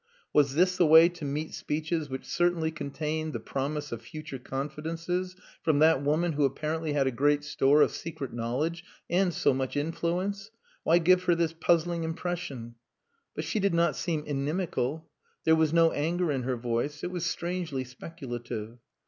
Was this the way to meet speeches which certainly contained the promise of future confidences from that woman who apparently had a great store of secret knowledge and so much influence? Why give her this puzzling impression? But she did not seem inimical. There was no anger in her voice. It was strangely speculative.